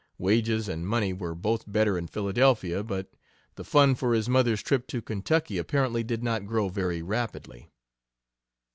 Wages and money were both better in Philadelphia, but the fund for his mother's trip to Kentucky apparently did not grow very rapidly.